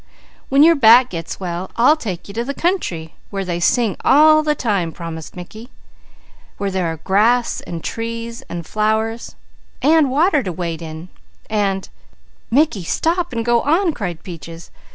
"When your back gets well, I'll take you to the country where they sing all the time," promised Mickey, "where there are grass, and trees, and flowers, and water to wade in and " "Mickey, stop and go on!" cried Peaches.